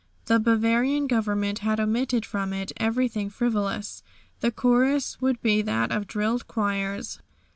The Bavarian Government had omitted from it everything frivolous. The chorus would be that of drilled choirs.